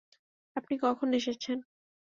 আপনি কখন এসেছেন?